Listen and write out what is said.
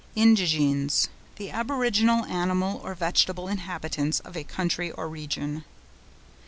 INDIGENES.—The aboriginal animal or vegetable inhabitants of a country or region.